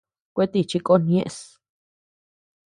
Kuetíchi kon ñeʼes.